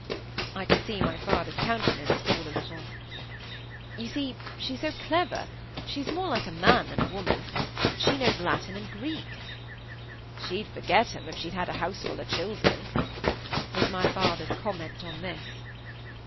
I could see my father's countenance fall a little. "You see she's so clever she's more like a man than a woman—she knows Latin and Greek." "She'd forget "em, if she'd a houseful of children," was my father's comment on this.